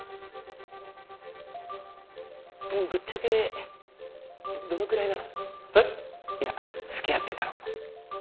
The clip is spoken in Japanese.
ぶっちゃけどのくらいなの？は？いやつきあってたの。